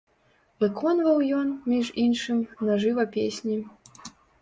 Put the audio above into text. Выконваў ён, між іншым, на жыва песні.